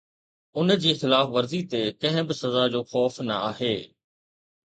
ان جي خلاف ورزي تي ڪنهن به سزا جو خوف نه آهي